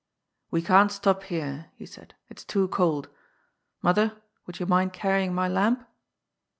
We can't stop here," he said, " it's too cold. Mother, would you mind carrying my lamp